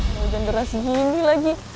udah hujan deras gini lagi